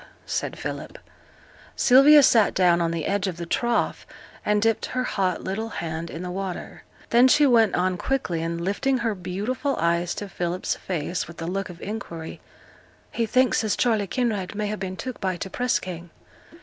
said Philip. Sylvia sate down on the edge of the trough, and dipped her hot little hand in the water. Then she went on quickly, and lifting her beautiful eyes to Philip's face, with a look of inquiry 'He thinks as Charley Kinraid may ha' been took by t' press gang.'